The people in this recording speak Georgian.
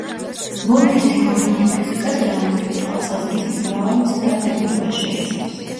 ვოლფის „თეორიული ფიზიკა“ დღევანდელი თვალსაზრისით მრავალ მცდარ დებულებას შეიცავს.